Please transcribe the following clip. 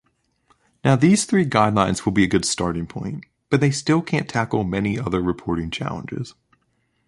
Now, these three guidelines will be a good starting point, but they still can’t tackle many other reporting challenges